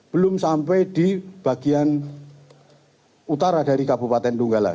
belum sampai di bagian utara dari kabupaten donggala